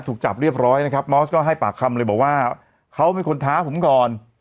ถูกจับเรียบร้อยนะครับมอสก็ให้ปากคำเลยบอกว่าเขาเป็นคนท้าผมก่อน